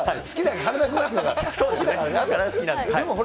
好きなんで。